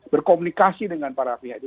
berkomunikasi dengan para pihak